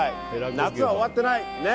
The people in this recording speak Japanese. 夏は終わってない！